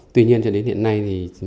tuy nhiên cho đến hiện nay